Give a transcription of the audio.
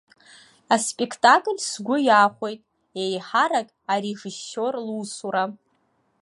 Аспектакль сгәы иахәеит, еиҳарак арежиссиор лусура.